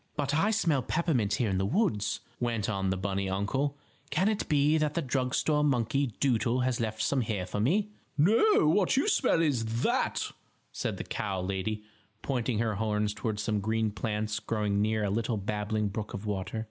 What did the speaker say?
"But I smell peppermint here in the woods," went on the bunny uncle. "Can it be that the drug store monkey doodle has left some here for me?" "No, what you smell is that," said the cow lady, pointing her horns toward some green plants growing near a little babbling brook of water.